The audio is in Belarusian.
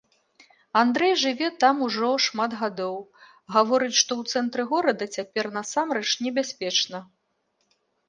Андрэй жыве там ужо шмат гадоў, гаворыць, што ў цэнтры горада цяпер насамрэч небяспечна.